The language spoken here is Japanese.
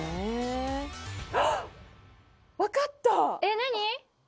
えっ何？